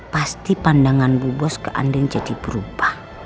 pasti pandangan bu bos ke andeng jadi berubah